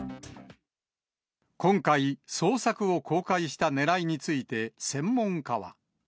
今回、捜索を公開したねらいについて、専門家は。